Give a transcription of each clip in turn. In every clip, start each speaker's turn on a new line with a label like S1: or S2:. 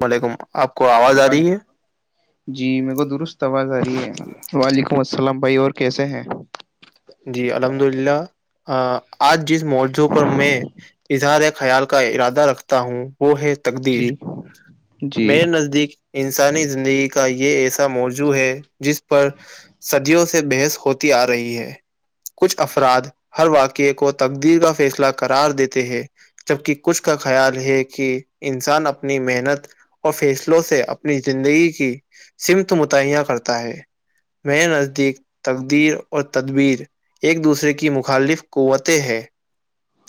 S1: وعلیکم آپ کو آواز آ رہی ہے
S2: جی میر کو درست آواز آ رہی ہے وعلیکم السلام بھائی اور کیسے ہیں
S1: جی الحمد للہ آج جس موضوع پر میں اظہار خیال کا ارادہ رکھتا ہوں وہ ہے تقدیر
S2: جی جی
S1: میر نزدیک انسانی زندگی کا یہ ایسا موضوع ہے جس پر صدیوں سے بحث ہوتی آ رہی ہے کچھ افراد ہر واقعے کو تقدیر کا فیصلہ کررار دیتے ہیں جبک کچھ کا خیال ہے کہ انسان اپنی محنت اور فیصلوں سے اپنی زندگی کی سمت متعیا کرتا ہے م نزدیک تقدیر اور تدبیر ایک دوسرے کی مخالف قوتیں ہے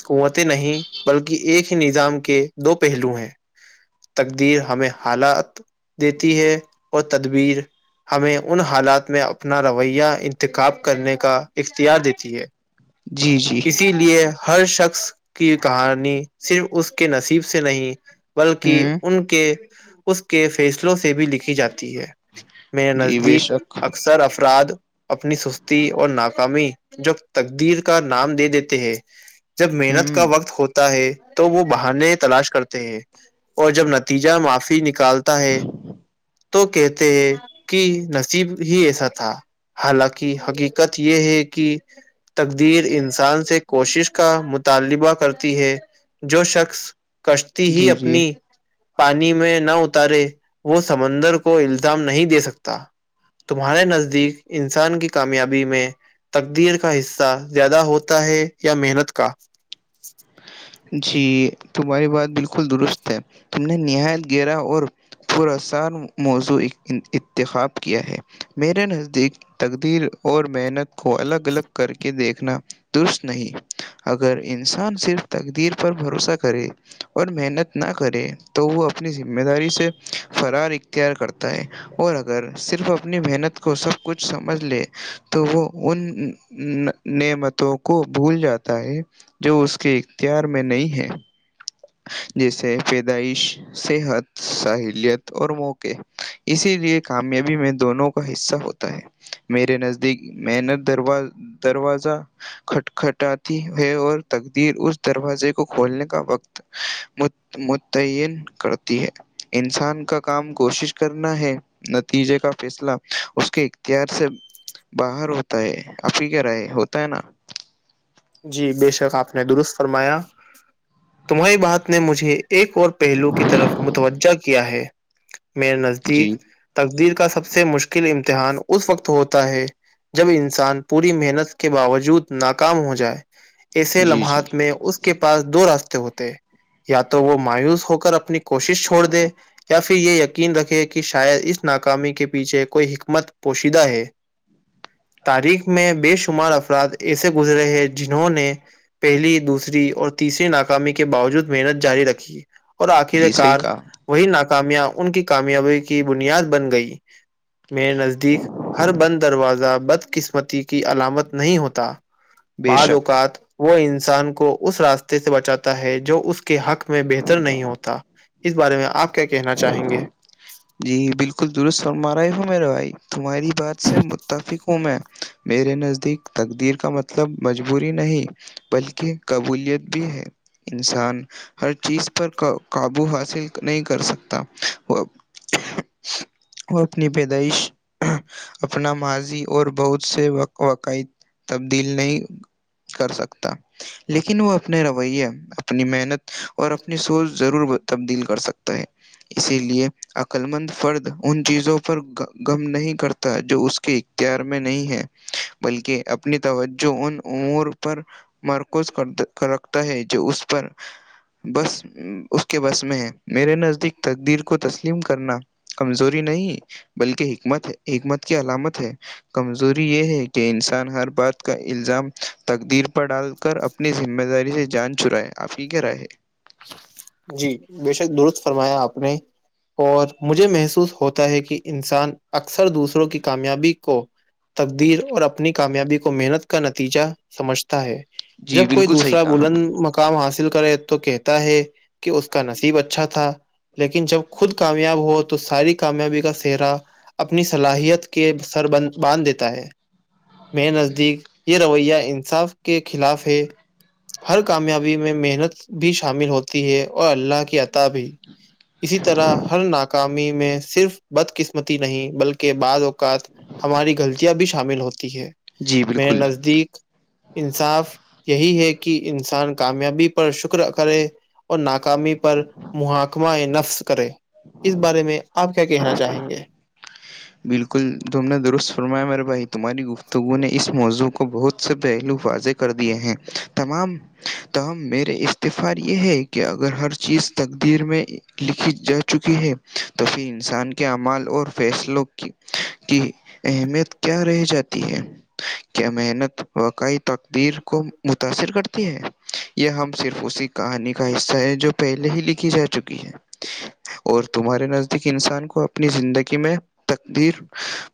S1: قوتیں نہیں بلکہ ایک ہی نظام کے دو پہلو ہیں تقدیر ہمیں حالات دیتی ہے اور تدبیر ہمیں ان حالات میں اپنا رویہ انتخاب کرنے کا اختیار دیتی ہے
S2: جی جی
S1: اسی لیے ہر شخص کی کہانی صرف اس کے نصیب سے نہیں بلکہ
S2: ہوں
S1: ان کے اس کے فیصلوں سے بھی لکھی جاتی ہے م
S2: جی بے
S1: نزدیک
S2: شک
S1: اکثر افراد اپنی سستی اور ن قمی جو تقدیر کا نام دے دیتے ہیں جب محنت کا
S2: ہوں
S1: وقت ہوتا ہے تو وہ بہانے تلاش کرتے ہیں اور جب نتیجہ معافی نکالتا ہے تو کہتے ہیں کہ نصیب ہی ایسا تھا حالانکہ حقیقت یہ ہے کہ تقدیر انسان سے کوشش کا مطالبہ کرتی ہے جو شخص کشتی ہی
S2: جی جی
S1: اپنی پانی میں نہ اتارے وہ سمندر کو الزام نہیں دے سکتا تمہارے نزدیک انسان کی کامیابی میں تقدیر کا حصہ زیادہ ہوتا ہے یا محنت کا
S2: جی تمہاری بات بالکل درست ہے تم نے نہایت گرا اور پوراسان موزوع انتخاب کیا ہے میرے نزدیک تقدیر اور محنت کو الگ الگ کر کے دیکھنا درست نہیں اگر انسان صرف تقدیر پر بھروسہ کرے اور محنت نہ کرے تو وہ اپنی ذمہ داری سے فرار اختیار کرتا ہے اور اگر صرف اپنی محنت کو سب کچھ سمجھ لے تو وہ ان نعمتوں کو بھول جاتا ہے جو اس کے اختیار میں نہیں ہے جیسے پیدائش صحت ساحلیت اور موق اسی لیے کامیابی میں دونوں کا حصہ ہوتا ہے میرے نزدیک میں نےت درو دروازہ کھٹکھٹاتی ہے اور تقدیر اس دروازے کو کھولنے کا وقت متعین کرتی ہے انسان کا کام کوشش کرنا ہے نتیجے کا فیصلہ اس کے اختیار سے باہر ہوتا ہے عی کیا ر ہے ہوتا ہے نا
S1: جی بے شک آپ نے درست فرمایا تمہاری بات نے مجھے ایک اور پہلو کی طرف متوجہ کیا ہے میر نزدیک
S2: جی
S1: تقدیر کا سب سے مشکل امتحان اس وقت ہوتا ہے جب انسان پوری محنت کے باوجود ناکام ہو ج جائے ایسے
S2: جی جی
S1: لمحات میں اس کے پاس دو راستے ہوتے ہیں یا تو وہ مایوس ہو کر اپنی کوشش چھوڑ دے یا پھر یہ یقین رکھے کہ شاید اس ناکامی کے پیچھے کوئی حکمت پوشیدہ ہے تاریخ میں بے شمار افراد ایسے گزرے ہیں جنہوں نے پہلی دوسری اور تیسری ناکامی کے باوجود محنت جاری رکھی اور آخر
S2: جی صحیح
S1: کار
S2: کہا
S1: وہی ناکامیاں ان کی کامیابی کی بنیاد بن گئی میںیر نزدیک ہر بند دروازہ بدقسمتی کی علامت نہیں ہوتا
S2: بے شک
S1: بضوکات وہ انسان کو اس راستے سے بچاتا ہے جو اس کے حق میں بہتر نہیں ہوتا اس بارے میں آپ کیا کہنا چاہیں گے
S2: جی بالکل درست فرما رہے ہوں میرے بھائی تمہاری بات سے متفق ہوں میں میرے نزدیک تقدیر کا مطلب مجبوری نہیں بلکہ قبولیت بھی ہے انسان ہر چیز پر قابو حاصل نہیں کر سکتا وہ
S1: [inaudible]
S2: وہ اپنی پیدائش اپنا ماضی اور بہت سے واقائد تبدیل نہیں کر سکتا لیکن وہ اپنے رویے اپنی محنت اور اپنی سوچ ضرور تبدیل کر سکتا ہے اسی لیے عقلمند فرد ان چیزوں پر غم نہیں کرتا جو اس کے اختیار میں نہیں ہے بلکہ اپنی توجہ ان امور پر مرکوز کرکھ ہے جو اس پر بس اس کے بس میں ہے میرے نزدیک تقدیر کو تسلیم کرنا کمزوری نہیں بلکہ حکمت ہے حکمت کی علامت ہے کمزوری یہ ہے کہ انسان ہر بات کا الزام تقدیر پر ڈال کر اپنی ذمہ داری سے جان چرائے آپ کی کیا رائے
S1: جی بےشک درست فرمایا آپ نے اور مجھے محسوس ہوتا ہے کہ انسان اکثر دوسروں کی کامیابی کو تقدیر اور اپنی کامیابی کو محنت کا نتیجہ سمجھتا ہے
S2: جی
S1: جب کوئی
S2: بالکل صحیح
S1: دوسرا
S2: کہا
S1: بلند م کام حاصل کرے تو کہتا ہے کہ اس کا نصیب اچھا تھا لیکن جب خود کامیاب ہو تو تو ساری کامیابی کا سہرا اپنی صلاحیت کے سر باندھ دیتا ہے میں نزدیک یہ رویہ انصاف کے خلاف ہے ہر کامیابی میں محنت بھی شامل ہوتی ہے اور اللہ کی بھی اسی طرح ہر ناک ناکای میں صرف بدقسمتی نہیں بلکہ بعض اق ہماری غلطیاں بھی شامل ہوتی ہے
S2: جی
S1: میں
S2: بالکل
S1: نزدیک انصاف یہی ہے کہ انسان کامیابی پر شکر کرے اور ناکامی پر محکمہ نفس کرے اس بارے میں آپ کیا کہنا چاہیں گے؟
S2: بالکل تم نے درست فرمایا میرے بھائی تمہاری گفتگو نے اس موضوع کو بہت سے پہلو فاضح کر دیے ہیں تمام تم میرے استعفی یہ ہے کہ کہ اگر ہر چیز تقدیر میں لکھی جا چکی ہے تو پھر انسان کے کے عمال اور فیصلوں کی کی اہمیت کیا رہ جاتی ہے کیا محنت وقع تقدر کو متاثر کرتی ہے یہ ہم صرف اسی کہانی کا حصہ ہے جو پہلے ہی لکھی جا چکی ہے اور تمہارے نزدیک انسان کو اپنی زندگی میں تقدیر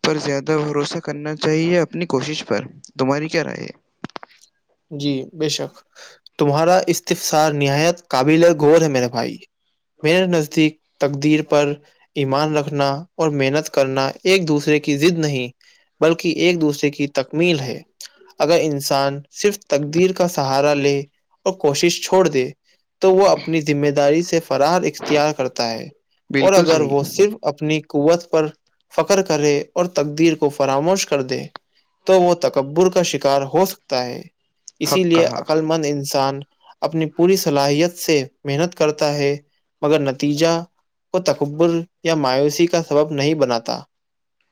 S2: پر زیادہ بھروسہ کرنا چاہیے اپنی کوشش پر تمہاری کیا رائے
S1: جی بے شک تمہارا استفسار نہایت قابل غور ہے میرے بھائی میرے نزدیک تقدیر پر ایمان رکھنا اور محنت کرنا ایک دوسرے کی زد نہیں بلکہ ایک دوسرے کی تکمیل ہے اگر انسان صرف تقدیر کا سہارا لے اور کوشش چھوڑ دے تو وہ اپنی ذمہ داری سے فرار اختیار کرتا ہے اور
S2: بالکل
S1: اگر وہ
S2: صحیح
S1: صرف اپنی قوت پر فخر کرے اور تقدیر کو فراموش کر دے تو وہ تکبر کا شکار ہو سکتا ہے اسی
S2: حق
S1: لیے
S2: کہا
S1: عقللمند انسان اپنی پوری صلاحیت سے محنت کرتا ہے مگر نتیجہ کو تکبر یا مایوسی کا سبب نہیں بناتا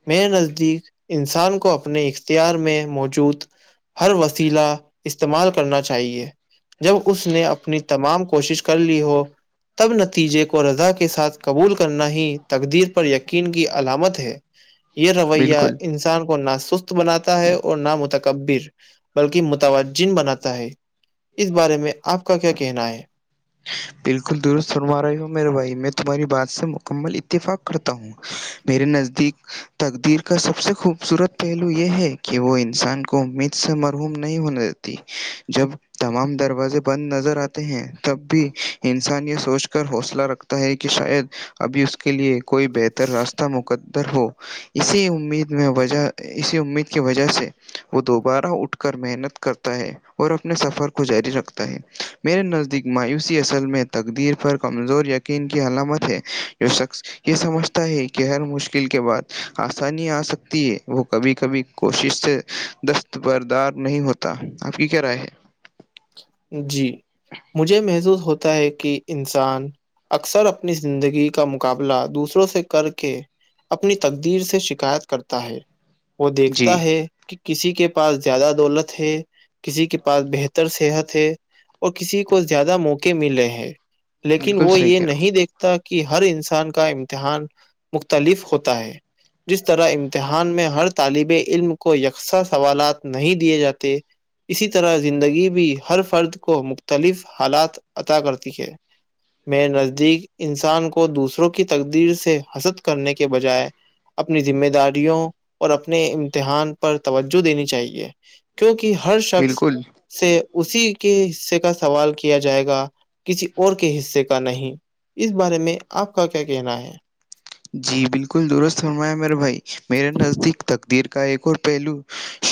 S1: میرے نزدیک ان انسان کو اپنے اختیار میں موجود ہر وسیلا استعمال کرنا چاہیے جب اس نے اپنی تمام کوشش کر لی ہو تب نتیجے کو رضا کے ساتھ قبول کرنا ہی تقدیر پر یقین کی علامت ہے یہ رویہ
S2: بالکل
S1: انسان کو نا سست بناتا ہے اور نہ متکبر بلکہ متوجن بناتا ہے اس بارے میں آپ کا کیا کہنا ہے
S2: بالکل دست سنوا رہی ہوں میرے بھائی میں تمہاری بات سے مکمل اتفاق کرتا ہوں میرے نزدیک تقدیر کا سب سے خوبصورت پہلو یہ ہے کہ وہ انسان کو امید سے مرحوم نہیں ہونے دیتی جب تمام دروازے بند نظر آتے ہیں تب بھی انسان یہ سوچ کر حوصلہ رکھتا ہے کہ شاید ابھی اس کے لیے کوئی بہتر راستہ مق ہو اسی امید میں وجہ اسی امید کی وجہ سے وہ دوبارہ اٹھ کر محنت کرتا ہے اور اپنے سفر کو جاری رکھتا ہے میرے نزدیک مایوسی اصل میں تقدیر پر کمزور یقین کی علامت ہے جو شخص یہ سمجھتا ہے کہ ہر مشکل کے بعد آسانی آ سکتی ہے وہ کبھی کبھی کوشش سے دستبردار نہیں ہوتا آپ کی کیا رائے ہے
S1: جی مجھے محسوس ہوتا ہے کہ انسان اکثر اپنی زندگی کا مقابلہ دوسروں سے کر کے اپنی تقدیر سے شکایت کرتا ہے وہ
S2: جی
S1: دیکھتا ہے کہ کسی کے پاس زیادہ دولت ہے کسی کے پاس بہتر صحت ہے اور کسی کو زیادہ موقع مل رہے ہیں لیکن
S2: بالکل
S1: وہ
S2: صحیح
S1: یہ
S2: کہہ رہا ہو
S1: نہیں دیکھتے کہ ہر انسان کا امتحان مختلف ہوتا ہے جس طرح امتحان میں ہر طالب علم کو یکساں سوالات نہیں دیے جاتے اسی طرح زندگی بھی ہر فرد کو مختلف حالات عطا کرتی ہے میں نزدیک انسان کو دوسروں کی تقدیر سے حسد کرنے کے بجائے اپنی ذمہ داریوں اور اپنے امتحان پر توجہ دینی چاہیے کیونکہ ہر شخص
S2: بالکل
S1: سے اسی کے حصے کا سوال کیا جائے گا کسی اور کے حصے کا نہیں اس بارے میں آپ کا کیا کہنا ہے
S2: جی بالکل درست فرمایا میرے بھائی میرے نزدیک تقدیر کا ایک اور پہلو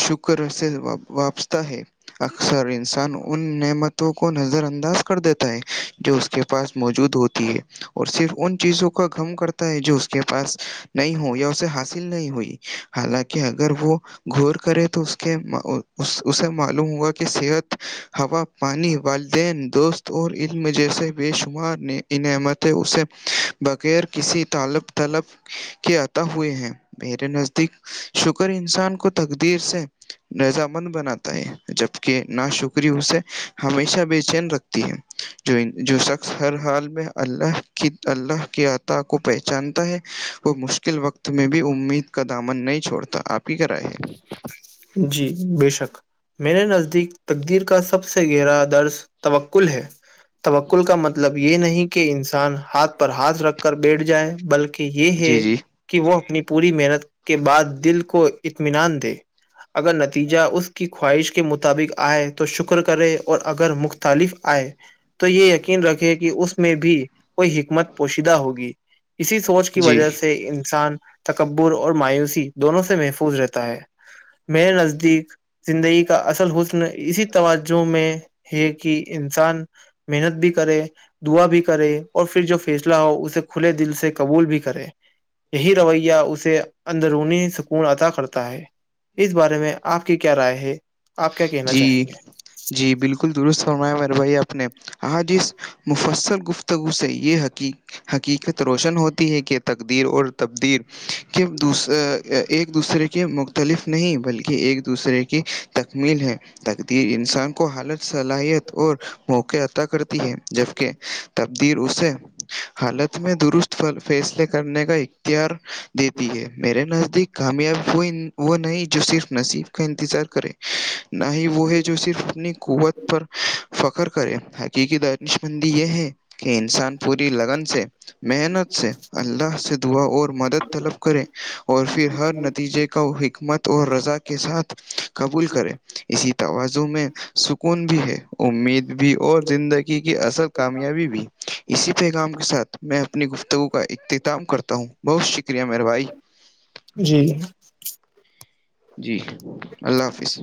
S2: شکر سے وپستا ہے اکثر انسان ان نعمتوں کو نظر انداز کر دیتا ہے جو اس کے پاس موجود ہوتی ہے اور صرف ان چیزوں کا گھم کرتا ہے جو اس کے پاس نہیں ہو یا اسے حاصل نہیں ہوئی حالانکہ اگر وہ گور کرے تو اس اسے معلوم ہوگا کہ صحت ہوا پانی والدین دوست اور علم جیسے بے شمار نعمتیں اسے بغیر کسی طالب طلب کے عتا ہوئے ہیں میرے نزدیک شکر انسان کو تقدیر سے نضامند بناتا ہے جبکہ کہ نا شکری اسے ہمیشہ بے چین رکھتی ہے جو جو شخص ہر حال میں اللہ کی اللہ کے عطا کو پہچانتا ہے وہ مشکل وقت میں بھی امید کا دامن نہیں چھڑتا آپ کی کرائے ہے
S1: جی بے شک میرے نزدیک تقدیر کا سب سے گہرا درس توکل ہے توکل کا مطلب یہ نہیں کہ انسان ہاتھ پر ہاتھ رکھ کر بیٹھ جائے بلکہ کہ یہ ہے
S2: جی جی
S1: کہ وہ اپنی پوری محنت کے بعد دل کو اطمینان دے اگر نتیجہ اس کی خواہش کے مطابق آئے تو شکر کرے اور اگر مفت خ تالف آئے تو یہ یقین رکھے کہ اس میں بھی کوئی حکمت پوشیدہ ہوگی اسی سوچ کی
S2: جی
S1: وجہ سے انسان تکبر اور مایوسی دونوں سے محفظ رہتا ہے میرے نزدیک زندگی کا اصل ہو س اسی توجہ میں ہے کہ انسان محنت بھی کرے دعا بھی کرے اور پھر جب پھیسلا ہو اسے کھلے دل سے قبول بھی کرے یہی رویہ اسے اندرونی سکون عدا کرتا ہے اس بارے میں آپ کی کیا رائے ہے آپ کیا کہنا چاہیں
S2: جی
S1: گے
S2: جی بالکل درست فرمایا میرے بھائی آپ نے آج اس مفصل گفتگو سے یہ حقیق حقیقت روشن ہوتی ہے کہ تقدیر اور تبدیر کہ دوس ایک دوسرے کے مختلف نہیں بلکہ ایک دوسرے کی تکمیل ہے تقدیر انسان کو حالت صلاحیت اور موقع عطا کرتی ہے جبکہ تبدییر اسے حالت میں درست فیصلے کرنے کا ار دیتی ہے میرے نزدیک کامیاب ہوئی نہیں جو صرف نصیب کا انتظار کرے نہ ہی وہ ہے جو صرف اپنی قوت پر فخر کرے حقیقی دنش مندی یہ ہے کہ انسان پوری لگن سے محنت سے اللہ سے دعا اور مدد طلب کریں اور پھر ہر نتیجے کو حکمت اور رضا کے کے ساتھ قبول کریں اسی توازن میں سکون بھی ہے امید بھی اور زندگی کی اصل کامیابی بھی اسی پیغام کے ساتھ میں اپنی گفتگو کا اختتام کرتا ہوں بہت شکریہ مہربھائی
S1: جی
S2: جی اللہ حافظ